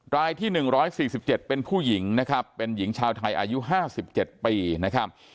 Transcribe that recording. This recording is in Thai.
รายที่๑๔๗เป็นผู้หญิงนะครับเป็นหญิงชาวไทยอายุ๕๗ปีนะครับ